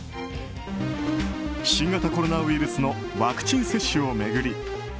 新型コロナウイルスのワクチン接種を巡り